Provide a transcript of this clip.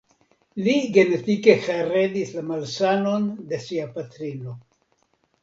Li genetike heredis la malsanon de sia patrino.